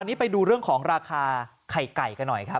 อันนี้ไปดูเรื่องของราคาไข่ไก่กันหน่อยครับ